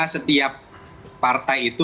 setiap partai itu